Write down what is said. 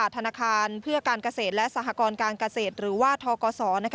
ธนาคารเพื่อการเกษตรและสหกรการเกษตรหรือว่าทกศ